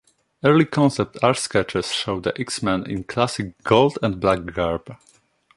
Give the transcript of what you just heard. Early concept art sketches show the X-Men in classic gold-and-black garb.